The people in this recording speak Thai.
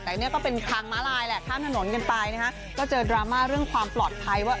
แต่เนี่ยก็เป็นทางม้าลายแหละข้ามถนนกันไปนะฮะก็เจอดราม่าเรื่องความปลอดภัยว่า